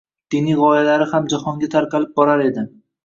Diniy gʻoyalari ham jahonga tarqalib borar edi.